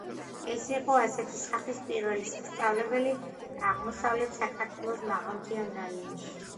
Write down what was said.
ეს იყო ასეთი სახის პირველი სასწავლებელი აღმოსავლეთ საქართველოს მაღალმთიან რაიონში.